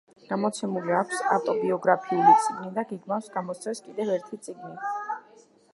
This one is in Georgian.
გამოცემული აქვს ავტობიოგრაფიული წიგნი და გეგმავს გამოსცეს კიდევ ერთი წიგნი.